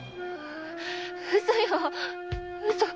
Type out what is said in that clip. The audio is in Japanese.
嘘よ嘘！